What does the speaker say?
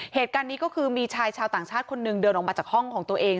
เหตุการณ์นี้ก็คือมีชายชาวต่างชาติคนหนึ่งเดินออกมาจากห้องของตัวเอง